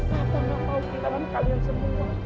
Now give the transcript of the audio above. bapak enggak mau kehilangan kalian semua